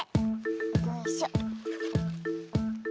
よいしょ。